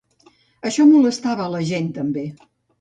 I això molestava a la gent també.